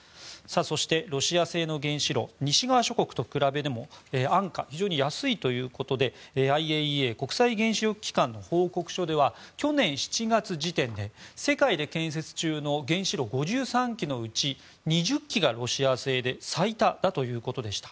そして、ロシア製の原子炉西側諸国と比べても安価、非常に安いということでＩＡＥＡ・国際原子力機関の報告書では去年７月時点で世界で建設中の原子炉５３基のうち２０基がロシア製で最多だということでした。